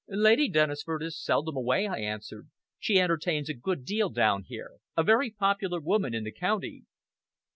"Lady Dennisford is seldom away," I answered. "She entertains a good deal down here. A very popular woman in the county."